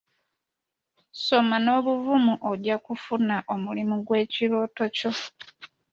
Ssoma n'obuvumu ojja kufuna omulimu gw'ekirooto kyo.